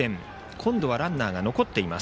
今度はランナーが残っています。